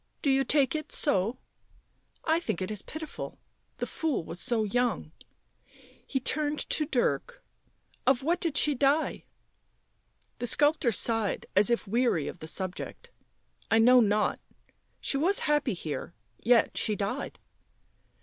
Do you take it sol I think it is pitiful — the fool was so young." He turned to Dirk. " Of what did she die?" The sculptor sighed, as if weary of the subject. " I know not. She was happy here, yet she died."